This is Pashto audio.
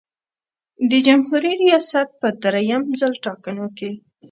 د جمهوري ریاست په دریم ځل ټاکنو کې.